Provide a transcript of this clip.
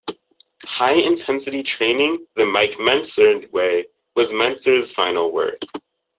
"High-Intensity Training the Mike Mentzer Way" was Mentzer's final work.